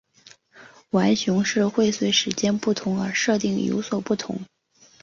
浣熊市会随时间不同而设定有所不同。